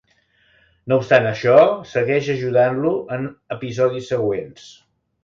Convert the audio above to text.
No obstant això, segueix ajudant-lo en episodis següents.